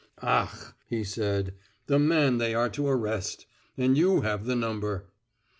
"Ach!" he said. "The man they are to arrest. And you have the number."